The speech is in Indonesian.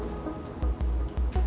dan itu wajar batu bata